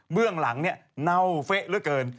เรื่องหลังเนี่ยเน่าเฟะเหลือเกิน